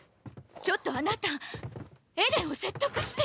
ちょっとあなたエレンを説得して！